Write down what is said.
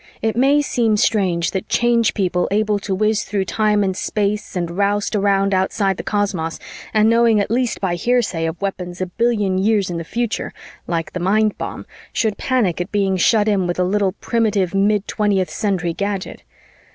It may seem strange that Change People, able to whiz through time and space and roust around outside the cosmos and knowing at least by hearsay of weapons a billion years in the future, like the Mindbomb, should panic at being shut in with a little primitive mid 20th Century gadget.